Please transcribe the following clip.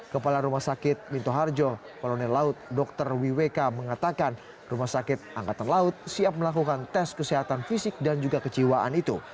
kepala rumah sakit minto harjo kolonel laut dr wiweka mengatakan rumah sakit angkatan laut siap melakukan tes kesehatan fisik dan juga kejiwaan itu